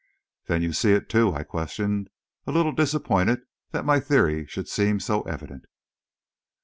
"Then you see it, too?" I questioned, a little disappointed that my theory should seem so evident.